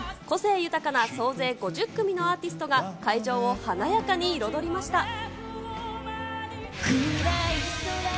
個性豊かな総勢５０組のアーティストが、会場を華やかに彩りました。